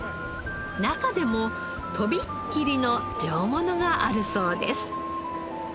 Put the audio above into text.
中でもとびっきりの上物があるそうです。